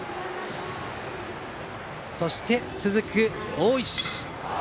そして、続く大石。